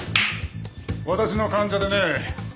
私の患者でね